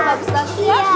wah bagus banget ya